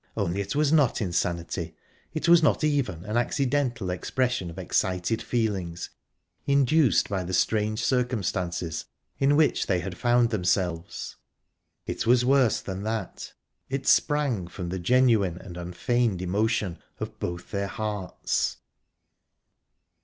Only it was not insanity; it was not even an accidental expression of excited feelings, induced by the strange circumstances in which they had found themselves. It was worse than that. It sprang from the genuine and unfeigned emotion of both their hearts...